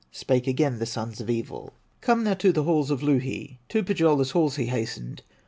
Spake again the sons of evil: "Come thou to the halls of Louhi!" To Pohyola's halls he hastened.